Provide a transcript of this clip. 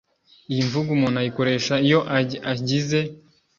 iyi mvugo umuntu ayikoresha iyo ajyize